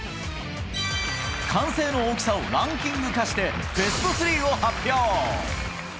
歓声の大きさをランキング化して、ベスト３を発表。